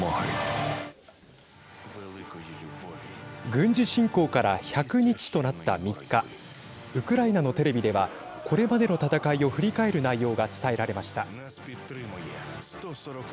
軍事侵攻から１００日となった３日ウクライナのテレビではこれまでの戦いを振り返る内容が伝えられました。